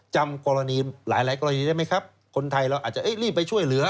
จำกรณีหลายกรณีได้ไหมครับคนไทยเราอาจจะรีบไปช่วยเหลือ